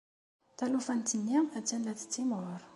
Talufant-nni attan la tettimɣur.